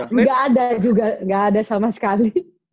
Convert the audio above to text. enggak ada juga enggak ada sama sekali